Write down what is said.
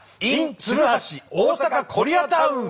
ｉｎ鶴橋・大阪コリアタウン」！